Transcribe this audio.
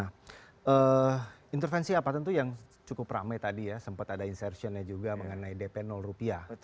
nah intervensi apa tentu yang cukup ramai tadi ya sempat ada insertionnya juga mengenai dp rupiah